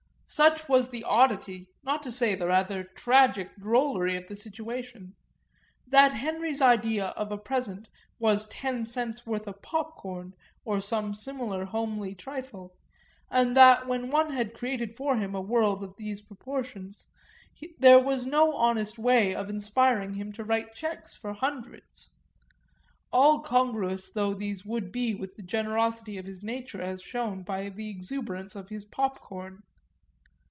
Such was the oddity, not to say the rather tragic drollery, of the situation: that Henry's idea of a present was ten cents' worth of popcorn, or some similar homely trifle; and that when one had created for him a world of these proportions there was no honest way of inspiring him to write cheques for hundreds; all congruous though these would be with the generosity of his nature as shown by the exuberance of his popcorn.